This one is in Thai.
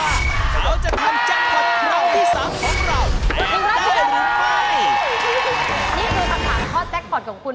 นี่คือคำถามข้อแจ็คพอร์ตของคุณ